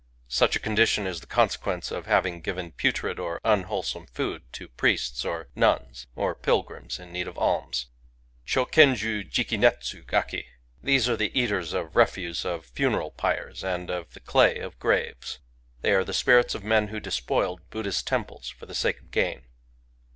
Such a condition is the consequence of having given putrid or unwholesome food to priests or nuns, or pilgrims in need of alms. Chthken ju jiki netsu^gaki, — These are the eaters of the refuse of funeral pyres and of the clay of graves. ••• They are the spirits of men who despoiled Buddhist tem ples for the sake of gain.